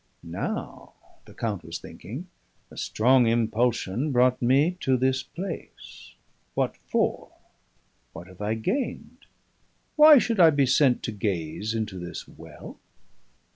'Now,' the count was thinking, 'a strong impulsion brought me to this place. What for? what have I gained? why should I be sent to gaze into this well?'